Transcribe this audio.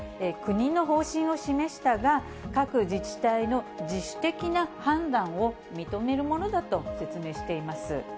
国の方針を示したが、各自治体の自主的な判断を認めるものだと説明しています。